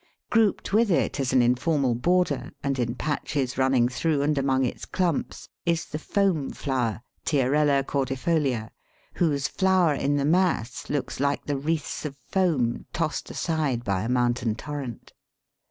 Grouped with it, as an informal border, and in patches running through and among its clumps, is the Foam flower (Tiarella cordifolia), whose flower in the mass looks like the wreaths of foam tossed aside by a mountain torrent.